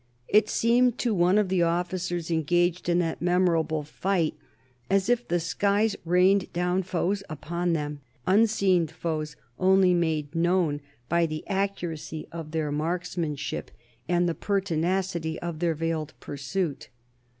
It seemed to one of the officers engaged in that memorable fight as if the skies rained down foes upon them, unseen foes only made known by the accuracy of their marksmanship and the pertinacity of their veiled pursuit.